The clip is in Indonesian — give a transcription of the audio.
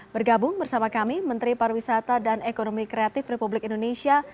bergabung bersama kami menteri pariwisata dan ekonomi kreatif republik indonesia